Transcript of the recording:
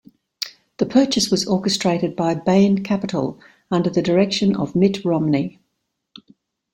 The purchase was orchestrated by Bain Capital under the direction of Mitt Romney.